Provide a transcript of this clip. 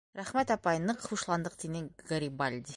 - Рәхмәт, апай, ныҡ хушландыҡ, - тине Гарибальди.